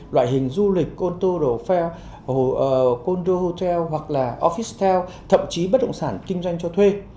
loại hình du lịch condo hotel hoặc là office town thậm chí bất động sản kinh doanh cho thuê